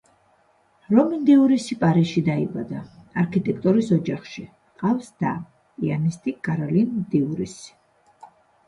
რომენ დიურისი პარიზში დაიბადა, არქიტექტორის ოჯახში, ჰყავს და, პიანისტი კაროლინ დიურისი.